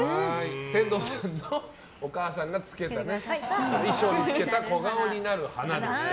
天童さんのお母さんがお衣装につけた小顔になる花ですね。